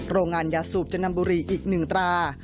โรงงานยาสูบจะนำบุรีอีก๑ตรา